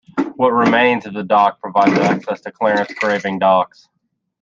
What remains of the dock provides access to Clarence Graving Docks.